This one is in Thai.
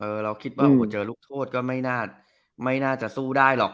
เราคิดว่าโอ้โหเจอลูกโทษก็ไม่น่าไม่น่าจะสู้ได้หรอก